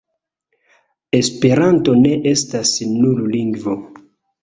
Esperanto ne estas nur lingvo.